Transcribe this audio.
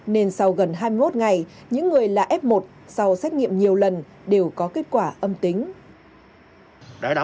nên sau gần hai mươi một ngày những người là f một sau xét nghiệm nhiều lần đều có kết quả âm tính